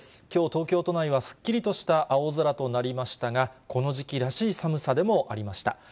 きょう、東京都内はすっきりとした青空となりましたが、この時期らしい寒さでもありました。